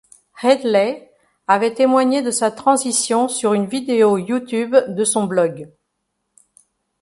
Hendley avait témoigné de sa transition sur une vidéo YouTube de son blog.